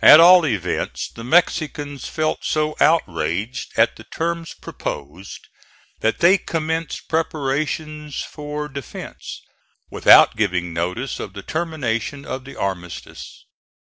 At all events the Mexicans felt so outraged at the terms proposed that they commenced preparations for defence, without giving notice of the termination of the armistice.